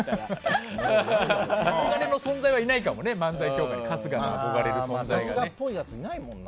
憧れの存在はないかもね漫才協会に春日の憧れる存在は。